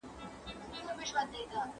برگ سپى د چغال ورور دئ.